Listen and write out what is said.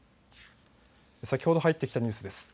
先ほど入ってきたニュースです。